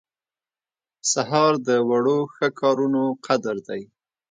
سهار د وړو ښه کارونو قدر دی.